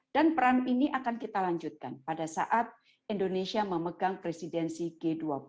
dan peran ini akan kita lanjutkan pada saat indonesia memegang presidensi g dua puluh